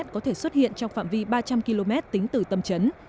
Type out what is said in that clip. có thể xuất hiện trong phạm vi ba trăm linh km tính từ tâm trấn